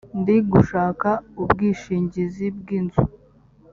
ndi gushaka ubwishingizi bw inzu